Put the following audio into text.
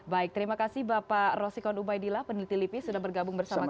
baik terima kasih bapak rosikon ubaidillah peneliti lipi sudah bergabung bersama kami